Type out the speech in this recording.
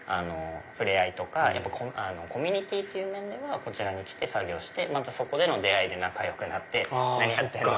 触れ合いとかコミュニティーって面ではこちらに来て作業してそこでの出会いで仲良くなって何やってんの？